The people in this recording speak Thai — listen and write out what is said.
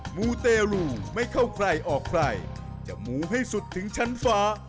มูเตรูไม่เข้าใครออกใครจะมูให้สุดถึงชั้นฟ้า